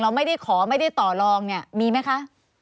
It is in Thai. เราไม่ได้ขอไม่ได้ต่อลองมีไหมคะ